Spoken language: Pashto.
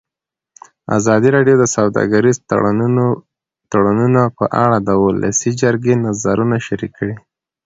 ازادي راډیو د سوداګریز تړونونه په اړه د ولسي جرګې نظرونه شریک کړي.